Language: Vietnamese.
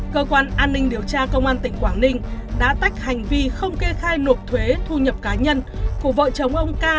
cơ quan an ninh điều tra công an tỉnh quảng ninh đã tách hành vi không kê khai nộp thuế thu nhập cá nhân của vợ chồng ông ca